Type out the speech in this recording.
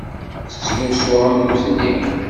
Tettlusu am nutni.